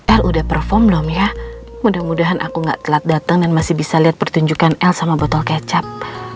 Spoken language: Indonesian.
el udah perform lho miah mudah mudahan aku gak telat dateng dan masih bisa liat pertunjukan el sama botol kecap